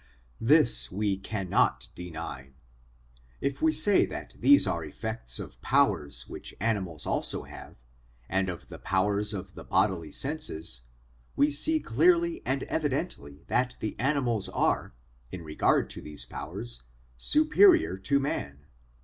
This we cannot deny. If we say that these are effects of powers which animals also have, and of the powers of the bodily senses, we see clearly and evidently that the animals are, in regard to these powers, superior to man.